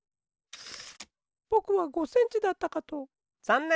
ぼくは５センチだったかと。